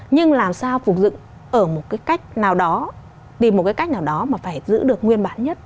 nhưng làm sao phục dựng ở một cái cách nào đó tìm một cái cách nào đó mà phải giữ được nguyên bản nhất